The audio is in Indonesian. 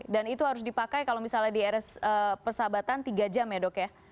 dan itu harus dipakai kalau misalnya di rs persahabatan tiga jam ya dok ya